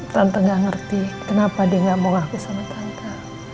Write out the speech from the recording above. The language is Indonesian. tante tidak mengerti kenapa dia gak mau ngaku sama tante